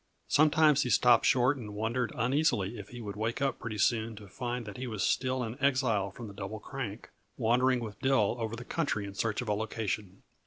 Sometimes he stopped short and wondered uneasily if he would wake up pretty soon to find that he was still an exile from the Double Crank, wandering with Dill over the country in search of a location.